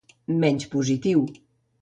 Menys positiu.